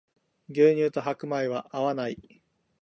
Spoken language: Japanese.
牛乳と白米は合わない